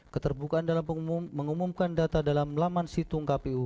keterbukaan dalam mengumumkan data dalam laman situng kpu